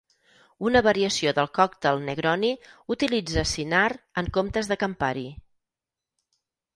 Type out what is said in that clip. Una variació del còctel Negroni utilitza Cynar en comptes de Campari.